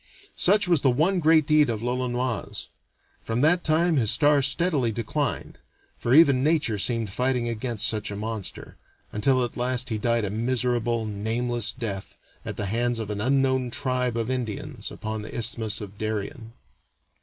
Such was the one great deed of l'Olonoise; from that time his star steadily declined for even nature seemed fighting against such a monster until at last he died a miserable, nameless death at the hands of an unknown tribe of Indians upon the Isthmus of Darien.